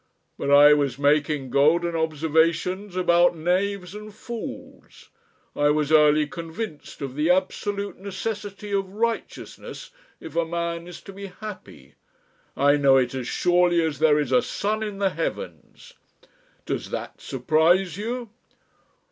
But I was making golden observations about knaves and fools. I was early convinced of the absolute necessity of righteousness if a man is to be happy. I know it as surely as there is a sun in the heavens. Does that surprise you?"